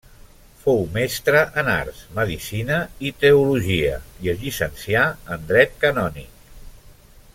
Fou mestre en arts, medicina i teologia, i es llicencià en dret canònic.